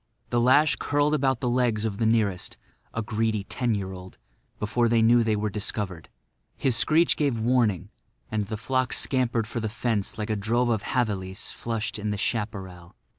The lash curled about the legs of the nearest—a greedy ten year old—before they knew they were discovered. His screech gave warning; and the flock scampered for the fence like a drove of javelis flushed in the chaparral.